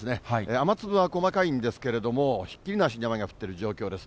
雨粒は細かいんですけれども、ひっきりなしに雨が降っている状況です。